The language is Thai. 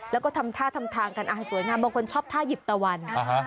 แล้วก็ทำท่าทำทางกันสวยงามบางคนชอบท่าหยิบตะวัน